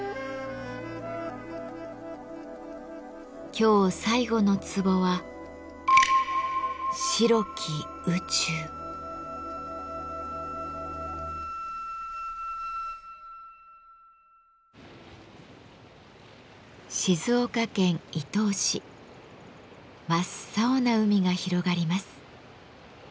今日最後のツボは静岡県伊東市真っ青な海が広がります。